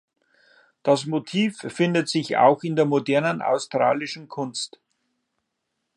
Das Motiv findet sich auch in der modernen australischen Kunst.